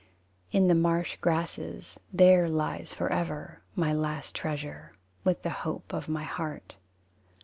In the marsh grasses There lies forever My last treasure, With the hope of my heart.